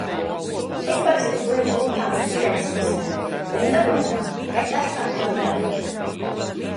Es parasti guļu gultā sienas pusē, Linda otrā. Es dažkārt to daru.